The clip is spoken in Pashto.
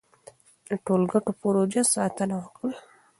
د ټولګټو پروژو ساتنه وکړئ.